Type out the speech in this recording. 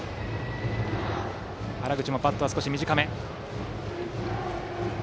原口もバットは少し短め。